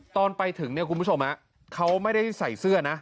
ตอนไปถึงเนี่ยคุณผู้ชมเขาไม่ได้ใส่เสื้อนะ